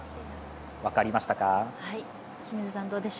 分かりましたか？